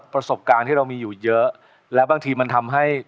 ประสบการณ์ที่เรามีอยู่เยอะแล้วบางทีมันทำให้